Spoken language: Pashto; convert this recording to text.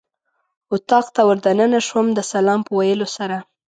اتاق ته ور دننه شوم د سلام په ویلو سره.